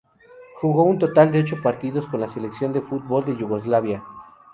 Jugó un total de ocho partidos con la selección de fútbol de Yugoslavia.